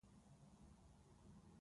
انتحار ناامیدۍ نښه ده